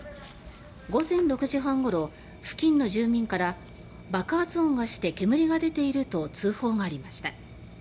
午前６時半ごろ付近の住民から爆発音がして煙が出ていると通報がありました。